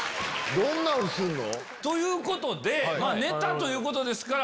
どんなんするの？ということでネタということですから。